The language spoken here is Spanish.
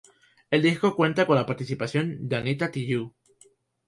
El disco cuenta con la participación de Anita Tijoux.